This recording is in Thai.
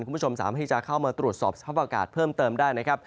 คุณผู้ชมสามารถที่จะเข้ามาตรวจสอบสภาพอากาศเพิ่มเติมได้นะครับ